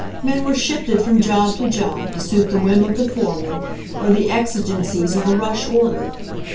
Men were shifted from job to job to suit the whim of the foreman or the exigencies of a rush order.